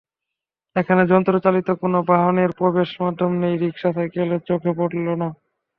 এখানে যন্ত্রচালিত কোনো বাহনের প্রবেশগম্যতা নেই, রিকশা, সাইকেলও চোখে পড়ল না।